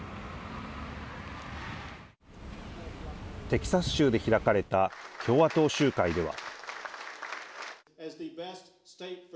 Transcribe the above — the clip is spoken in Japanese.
テキサス州で開かれた共和党集会では。